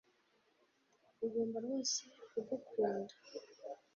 Ugomba rwose kugukunda